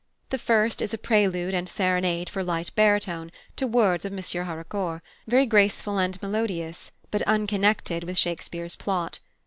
The first is a prelude and serenade for light baritone to words of M. Haraucourt's; very graceful and melodious, but unconnected with Shakespeare's plot.